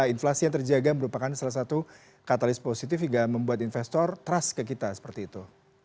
inflasi yang terjaga merupakan salah satu katalis positif hingga membuat investor trust ke kita seperti itu